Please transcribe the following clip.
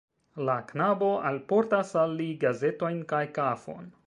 La knabo alportas al li gazetojn kaj kafon.